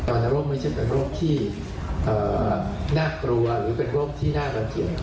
อันโรคไม่ใช่เป็นอันโรคที่น่ากลัวหรือเป็นอันโรคที่น่ากลัวเทียบ